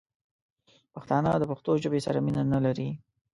پښتانه دپښتو ژبې سره مینه نه لري